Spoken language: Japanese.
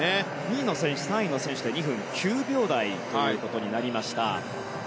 ２位の選手、３位の選手で２分９秒台となりました。